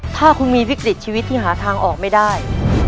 ถ้าคุณมีวิกฤตชีวิตที่หาทางออกไม่ได้